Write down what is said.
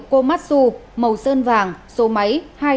komatsu màu sơn vàng số máy hai nghìn ba trăm linh sáu